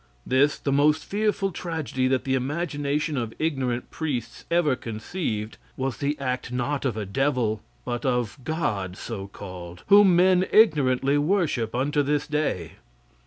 This, the most fearful tragedy that the imagination of ignorant priests ever conceived, was the act not of a devil, but of God so called, whom men ignorantly worship unto this day.